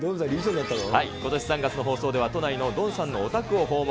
ことし３月の放送では都内のドンさんのお宅を訪問。